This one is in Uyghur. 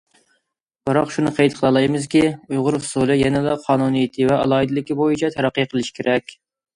بىراق شۇنى قەيت قىلالايمىزكى، ئۇيغۇر ئۇسسۇلى يەنىلا قانۇنىيىتى ۋە ئالاھىدىلىكى بويىچە تەرەققىي قىلىشى كېرەك.